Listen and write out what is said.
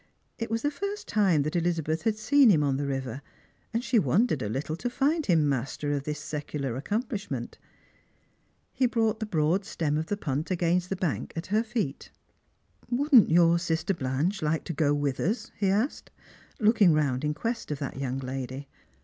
It was the first time that Elizabeth had seen him on the river, and she wondered a little to find him master of this Becular accomplishment. He brought the broad stem of the punt against the bank at her feet. " Wouldn't your sister Blanche like to go with us? " he asked. Strangers and Pilgrims. 30 lo'ilving round in quest of that youag lady.